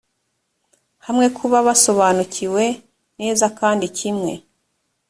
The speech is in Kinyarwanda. hamwe kuba basobanukiwe neza kandi kimwe